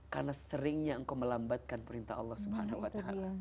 karena seringnya engkau melambatkan perintah allah swt